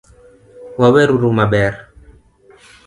Waweruru maber